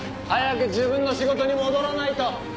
早く自分の仕事に戻らないと。